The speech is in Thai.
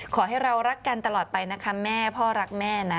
ขอให้เรารักกันตลอดไปนะคะแม่พ่อรักแม่นะ